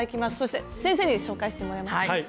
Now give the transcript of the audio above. そして先生に紹介してもらいます。